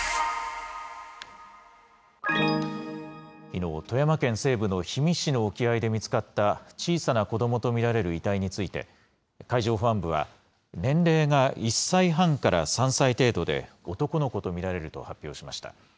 きのう、富山県西部の氷見市の沖合で見つかった、小さな子どもと見られる遺体について、海上保安部は、年齢が１歳半から３歳程度で、男の子と見られると発表しました。